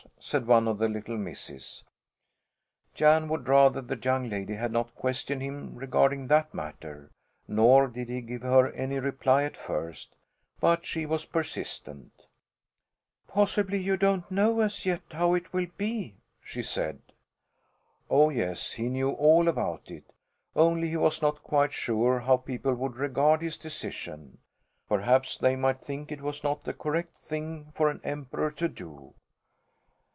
said one of the little misses. Jan would rather the young lady had not questioned him regarding that matter. Nor did he give her any reply at first, but she was persistent. "Possibly you don't know as yet how it will be?" she said. Oh, yes, he knew all about it, only he was not quite sure how people would regard his decision. Perhaps they might think it was not the correct thing for an emperor to do.